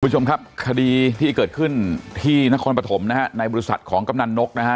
คุณผู้ชมครับคดีที่เกิดขึ้นที่นครปฐมนะฮะในบริษัทของกำนันนกนะฮะ